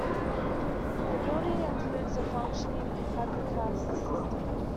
The building includes a functioning hypocaust system.